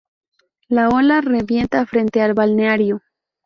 La ola revienta frente al balneario.